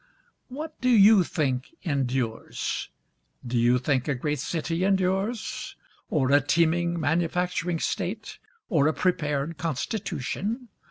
What do you think endures? Do you think a great city endures? Or a teeming manufacturing state? or a prepared constitution?